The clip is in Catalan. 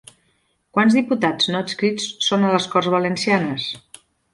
Quants diputats no adscrits són a les Corts Valencianes?